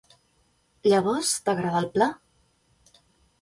Llavors t'agrada el pla?